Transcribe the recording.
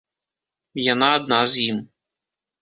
Яна адна з ім.